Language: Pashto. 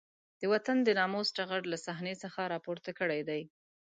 د وطن د ناموس ټغر له صحنې څخه راپورته کړی دی.